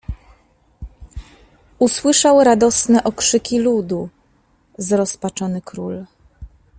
"Usłyszał radosne okrzyki ludu zrozpaczony król."